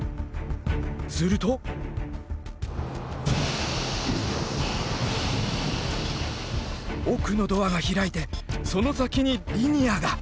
すると奥のドアが開いてその先にリニアが。